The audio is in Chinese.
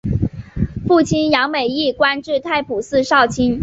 父亲杨美益官至太仆寺少卿。